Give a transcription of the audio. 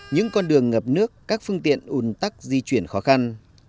những con đường ngập nước các phương tiện ủn tắc di chuyển khó khăn